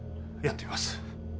やってみます。